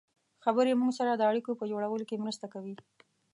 خبرې موږ سره د اړیکو په جوړولو کې مرسته کوي.